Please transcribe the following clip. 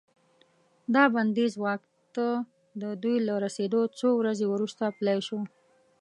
دا بندیز واک ته د دوی له رسیدو څو ورځې وروسته پلی شو.